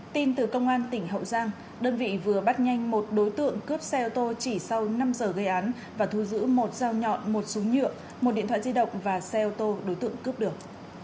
tin từ công an tỉnh hậu giang đơn vị vừa bắt nhanh một đối tượng cướp xe ô tô chỉ sau năm giờ gây án và thu giữ một dao nhọn một súng nhựa một điện thoại di động và xe ô tô đối tượng cướp được